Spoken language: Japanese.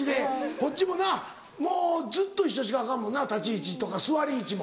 こっちもなもうずっと一緒しかアカンもんな立ち位置とか座り位置も。